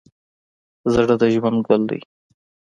زړه د ژوند ګل دی.